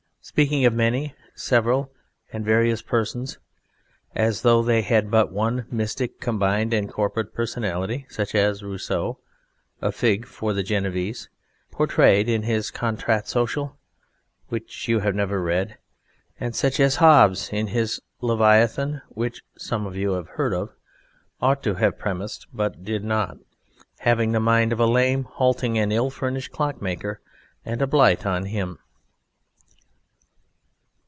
speaking of many, several and various persons as though they had but one mystic, combined and corporate personality such as Rousseau (a fig for the Genevese!) portrayed in his Contrat Social (which you have never read), and such as Hobbes, in his Leviathan (which some of you have heard of), ought to have premised but did not, having the mind of a lame, halting and ill furnished clockmaker, and a blight on him!